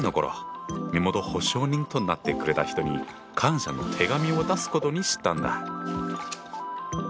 身元保証人となってくれた人に感謝の手紙を出すことにしたんだ。